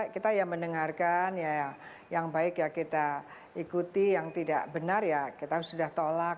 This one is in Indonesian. kita mendengarkan yang baik kita ikuti yang tidak benar ya kita sudah tolak